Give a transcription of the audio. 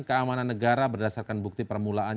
keamanan negara berdasarkan bukti permulaan